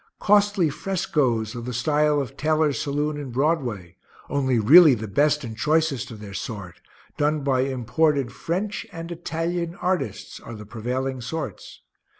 Costly frescoes of the style of Taylor's saloon in Broadway, only really the best and choicest of their sort, done by imported French and Italian artists, are the prevailing sorts.